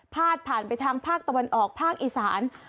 ผ่านไปทางภาคตะวันออกภาคอีสาน